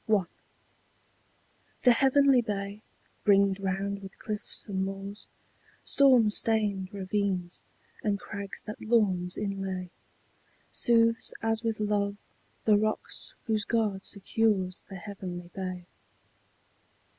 I. THE heavenly bay, ringed round with cliffs and moors, Storm stained ravines, and crags that lawns inlay, Soothes as with love the rocks whose guard secures The heavenly bay.